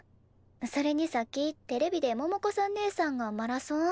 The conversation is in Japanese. それにさっきテレビで百子さんねえさんがマラソン。